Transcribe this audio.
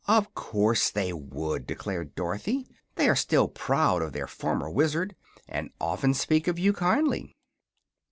"Of course they would!" declared Dorothy. "They are still proud of their former Wizard, and often speak of you kindly."